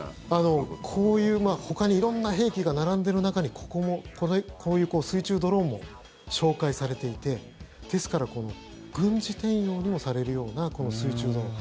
こういう、ほかに色んな兵器が並んでいる中にこういう水中ドローンも紹介されていてですから軍事転用にもされるようなこの水中ドローン。